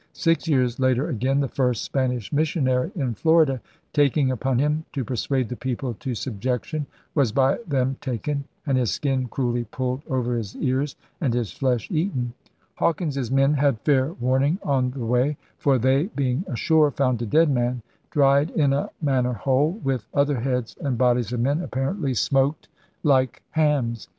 Six years later again, the first Spanish missionary in Florida 'taking upon him to persuade the people to subjection, was by them taken, and his skin cruelly pulled over his ears, and his flesh eaten.' Hawkins's men had fair warning on the way; for 'they, being ashore, found a dead man, dried in a manner whole, with other heads and bodies of men, ' apparently smoked .6 82 ELIZABETHAN SEA DOGS like hams.